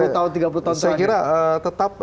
dua puluh tahun tiga puluh tahun saya kira tetap